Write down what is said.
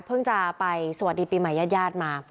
เพิ่งจะไปสวัสดีปีใหม่ยาดมา